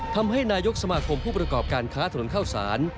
ทำให้นายกสมาคมผู้ประกอบการค้าถนนเข้าสาร